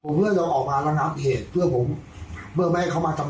ผมเพื่อนเดี๋ยวออกมาแล้วน้ำเหตุเพื่อผมเมื่อไม่เขามาทำ